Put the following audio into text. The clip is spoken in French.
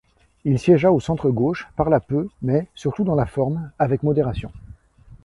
Il siégea au centre gauche, parla peu, mais, surtout dans la forme, avec modération.